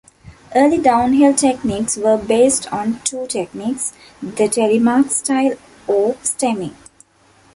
Early downhill techniques were based on two techniques, the telemark style or stemming.